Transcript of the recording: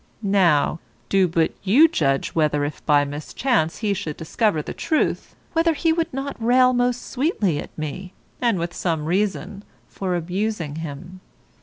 Now, do but you judge whether if by mischance he should discover the truth, whether he would not rail most sweetly at me (and with some reason) for abusing him.